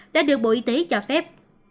đã được bộ y tế cho phép